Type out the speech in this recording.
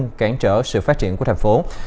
điều này cũng cản trở sự phát triển của thành phố